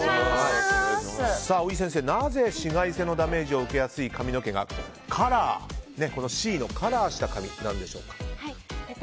宇井先生、なぜ紫外線のダメージを受けやすい髪の毛がＣのカラーした髪なんでしょうか。